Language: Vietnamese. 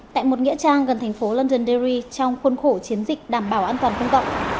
tại một nghĩa trang gần thành phố londonderry trong khuôn khổ chiến dịch đảm bảo an toàn công cộng